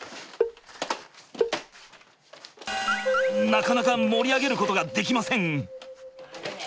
なかなか盛り上げることができません。